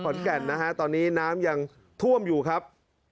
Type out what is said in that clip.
แก่นนะฮะตอนนี้น้ำยังท่วมอยู่ครับ